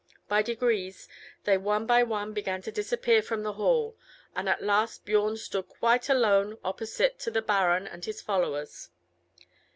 By degrees, they one by one began to disappear from the hall; and at last Biorn stood quite alone opposite to the baron and his followers.